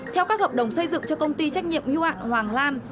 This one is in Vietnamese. theo các hợp đồng xây dựng cho công ty trách nhiệm hưu hạn hoàng lan